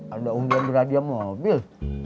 ada undang berada di mobil